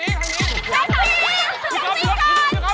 พี่กอฟมีโลกขนลึงมา